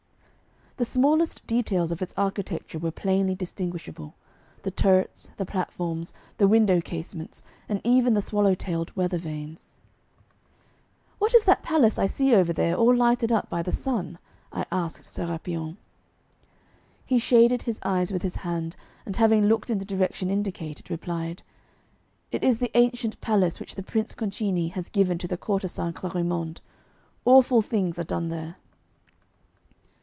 The smallest details of its architecture were plainly distinguishable the turrets, the platforms, the window casements, and even the swallow tailed weather vanes. 'What is that palace I see over there, all lighted up by the sun?' I asked Sérapion. He shaded his eyes with his hand, and having looked in the direction indicated, replied: 'It is the ancient palace which the Prince Concini has given to the courtesan Clarimonde. Awful things are done there!